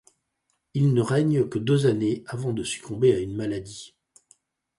Il ne règne que deux années avant de succomber à une maladie.